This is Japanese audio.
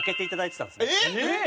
えっ！